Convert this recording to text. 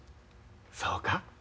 そうか。